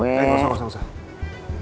eh nggak usah nggak usah